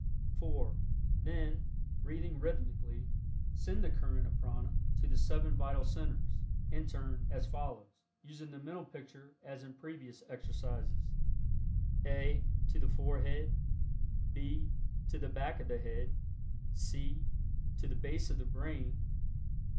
(4) Then (breathing rhythmically) send the current of prana to the Seven Vital Centers, in turn, as follows, using the mental picture as in previous exercises: (a) To the forehead. (b) To the back of the head. (c) To the base of the brain.